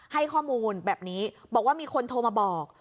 ให้ข้อมูลแบบนี้บอกว่ามีคนโทรมาบอก